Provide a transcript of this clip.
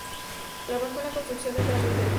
Trabajó en la construcción de carreteras.